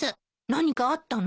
何かあったの？